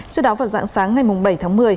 trước đó vào dạng sáng ngày bảy tháng một mươi